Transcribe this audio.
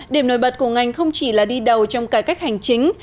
điểm nổi bật của ngành không chỉ là đi đầu trong cải cách hành chính